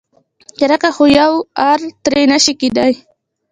کرکه خو یوار ترې نشي کېدای.